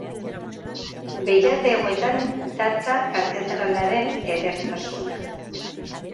Beirate hauetan datza katedralaren edertasuna.